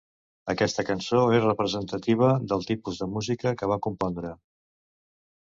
Aquesta cançó és representativa del tipus de música que van compondre.